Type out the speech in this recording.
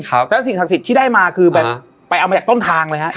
แล้วสิ่งศักดิ์สิทธิ์ที่ได้มาคือแบบไปเอามาจากต้นทางเลยฮะ